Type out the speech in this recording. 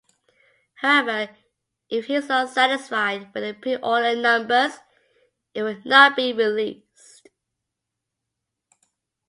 However, if he's not satisfied with the pre-order numbers, it will not be released.